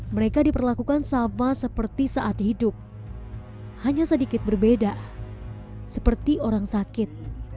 mereka diperlakukan sama seperti saat hidup hanya sedikit berbeda seperti orang sakit